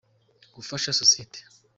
gufasha sosiyete.